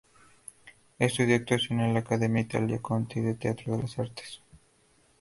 Estudió actuación en la Academia Italia Conti de Teatro de las Artes.